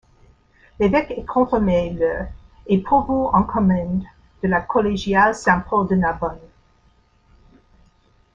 L'évêque est confirmé le et pourvu en commende de la collégiale Saint-Paul de Narbonne.